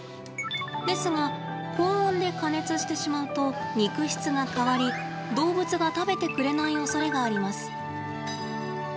ですが、高温で加熱してしまうと肉質が変わり、動物が食べてくれないおそれがあります。